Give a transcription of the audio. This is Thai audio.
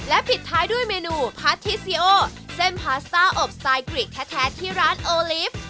ปิดท้ายด้วยเมนูพาทิเซียโอเส้นพาสต้าอบสไตล์กริกแท้ที่ร้านโอลิฟต์